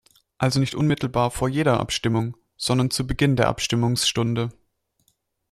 Also nicht unmittelbar vor jeder Abstimmung, sondern zu Beginn der Abstimmungsstunde.